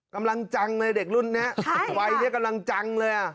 กำลังจังเลยเด็กรุ่นนี้วัยนี้กำลังจังเลยอ่ะ